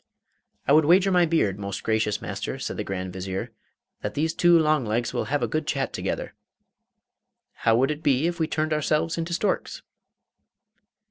'I would wager my beard, most gracious master,' said the Grand Vizier, 'that these two long legs will have a good chat together. How would it be if we turned ourselves into storks?